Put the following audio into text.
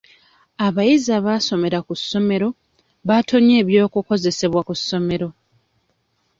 Abayizi abasomera ku ssomero batonye eby'okukozesa ku ssomero.